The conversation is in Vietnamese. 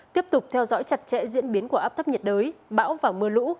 tiếp tục theo dõi chặt chẽ diễn biến của áp thấp nhiệt đới bão và mưa lũ